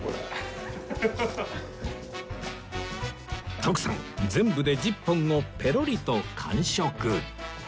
徳さん全部で１０本をペロリと完食